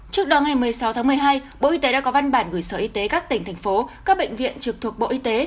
trước đó ngày một mươi sáu tháng một mươi hai bộ y tế đã có văn bản gửi sở y tế các tỉnh thành phố các bệnh viện trực thuộc bộ y tế